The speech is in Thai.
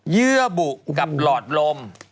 เยื่อบุกับหลอดลม